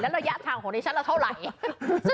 แล้วทางของฉันเท่าไหร่